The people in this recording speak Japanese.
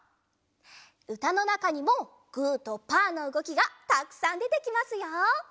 うたのなかにもグーとパーのうごきがたくさんでてきますよ。